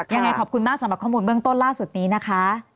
ยังไงขอบคุณมากสำหรับข้อมูลเบื้องต้นล่าสุดนี้นะคะ